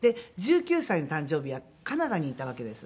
１９歳の誕生日はカナダにいたわけです。